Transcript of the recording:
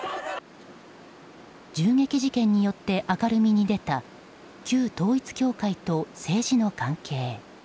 銃撃事件によって明るみに出た旧統一教会と政治の関係。